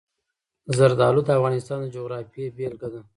زردالو د افغانستان د جغرافیې بېلګه ده.